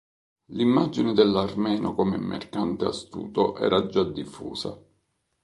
L'immagine dell'armeno come "mercante astuto" era già diffusa.